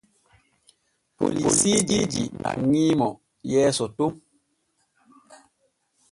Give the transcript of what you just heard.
Polisiiji nanŋi mo yeeso ton.